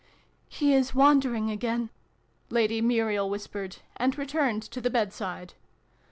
" He is wandering again," Lady Muriel whispered, and returned to the bedside.